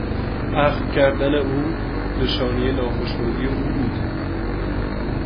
اخم کردن او نشانهی ناخشنودی او بود.